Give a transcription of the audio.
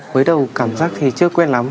với đầu cảm giác thì chưa quen lắm